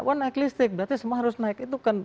wah naik listrik berarti semua harus naik